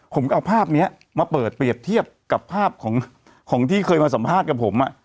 ผมก็เอาภาพนี้มาเปิดเปรียบเทียบกับภาพของที่เคยมาสัมภาษณ์กับผม